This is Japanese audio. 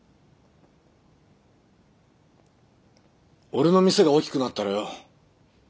俺の店が大きくなったらよ